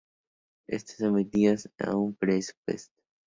Están sometidas a un presupuesto.